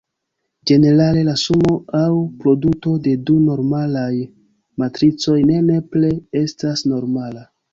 Ĝenerale, la sumo aŭ produto de du normalaj matricoj ne nepre estas normala.